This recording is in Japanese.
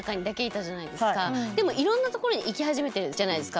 でもいろんな所に行き始めてるじゃないですか。